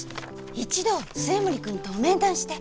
一度末森君と面談して。